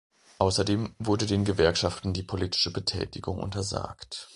Außerdem wurde den Gewerkschaften die politische Betätigung untersagt.